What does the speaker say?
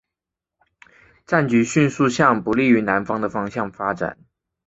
战局迅速向不利于南方的方向发展。